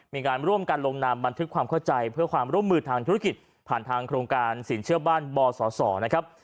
มีการร่วมกันลงนามบันทึกความเข้าใจเพื่อความร่วมมือทางธุรกิจผ่านทางโครงการสินเชื่อบ้านบสสนะครับ